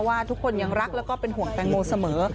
ว่าทุกคนยังรักแล้วก็เป็นห่วงแตงโมเสมอ